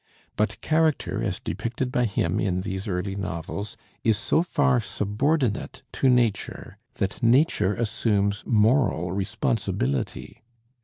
But character, as depicted by him in these early novels, is so far subordinate to nature that nature assumes moral responsibility.